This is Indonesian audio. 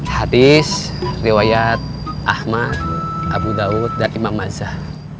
hadis riwayat ahmad abu daud dan imam mazah